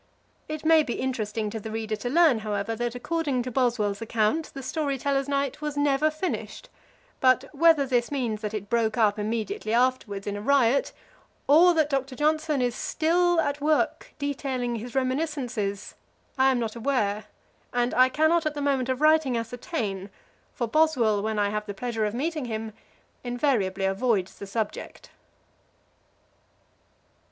It may be interesting to the reader to learn, however, that, according to Boswell's account, the Story tellers' Night was never finished; but whether this means that it broke up immediately afterwards in a riot, or that Doctor Johnson is still at work detailing his reminiscences, I am not aware, and I cannot at the moment of writing ascertain, for Boswell, when I have the pleasure of meeting him, invariably avoids the subject.